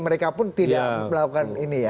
mereka pun tidak melakukan ini ya